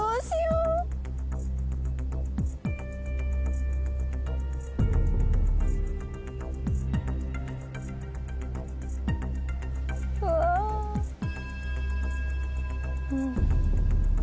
うん。